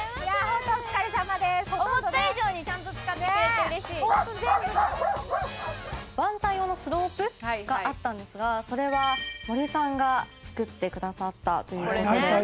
「ワンちゃん用のスロープがあったんですがそれは森さんが作ってくださったという事で」